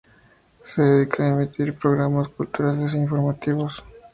Se dedica a emitir programas culturales e informativos.